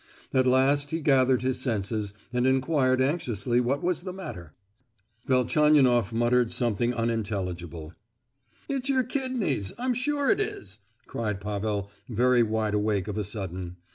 At last he gathered his senses, and enquired anxiously what was the matter. Velchaninoff muttered something unintelligible. "It's your kidneys—I'm sure it is," cried Pavel, very wide awake of a sudden.